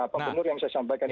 apa bener yang saya sampaikan ini